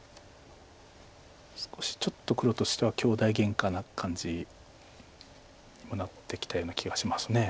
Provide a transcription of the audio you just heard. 少しちょっと黒としては兄弟げんかな感じなってきたような気がします。